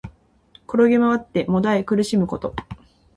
転げまわって悶え苦しむこと。